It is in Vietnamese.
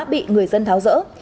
bị người dân tháo rỡ